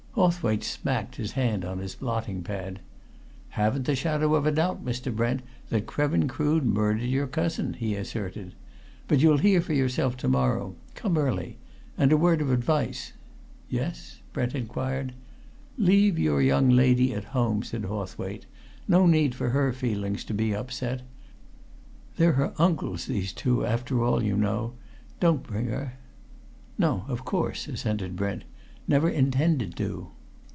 Hawthwaite smacked his hand on his blotting pad. "Haven't the shadow of a doubt, Mr. Brent, that Krevin Crood murdered your cousin!" he asserted. "But you'll hear for yourself to morrow. Come early. And a word of advice " "Yes?" Brent inquired. "Leave your young lady at home," said Hawthwaite. "No need for her feelings to be upset. They're her uncles, these two, after all, you know. Don't bring her." "No; of course," assented Brent. "Never intended to."